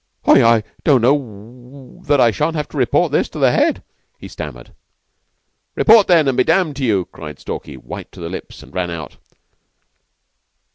"I I don't know that I shan't have to report this to the Head," he stammered. "Report, then, and be damned to you," cried Stalky, white to the lips, and ran out.